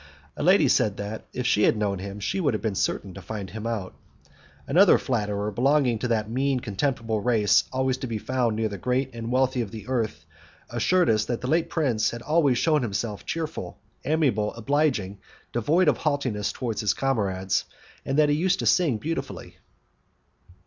A lady said that, if she had known him, she would have been certain to find him out. Another flatterer, belonging to that mean, contemptible race always to be found near the great and wealthy of the earth, assured us that the late prince had always shewn himself cheerful, amiable, obliging, devoid of haughtiness towards his comrades, and that he used to sing beautifully.